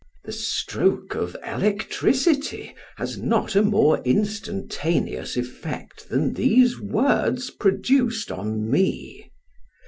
The stroke of electricity has not a more instantaneous effect than these words produced on me.